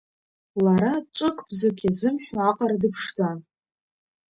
Лара ҿык-бзык иазымҳәо аҟара дыԥшӡан.